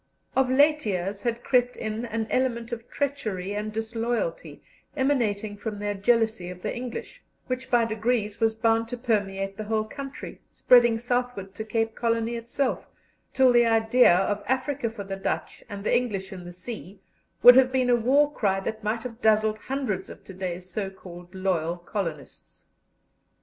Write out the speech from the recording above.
Of late years had crept in an element of treachery and disloyalty, emanating from their jealousy of the English, which by degrees was bound to permeate the whole country, spreading southward to Cape Colony itself, till the idea of "Africa for the Dutch, and the English in the sea," would have been a war cry that might have dazzled hundreds of to day's so called loyal colonists.